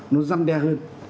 nó răn đe hơn